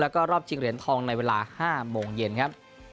แล้วก็รอบชิงเหรียญทองในเวลา๕โมงเย็นครับ